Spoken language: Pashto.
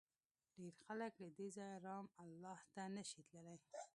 ډېر خلک له دې ځایه رام الله ته نه شي تللی.